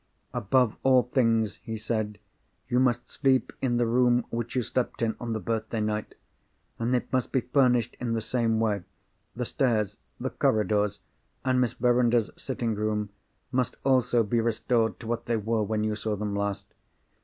"Above all things," he said, "you must sleep in the room which you slept in, on the birthday night, and it must be furnished in the same way. The stairs, the corridors, and Miss Verinder's sitting room, must also be restored to what they were when you saw them last.